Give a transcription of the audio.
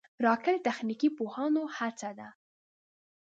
راکټ د تخنیکي پوهانو هڅه ده